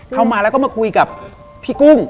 มาแล้วก็มาคุยกับพี่กุ้ง